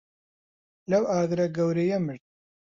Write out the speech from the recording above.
لەو ئاگرە گەورەیە مرد.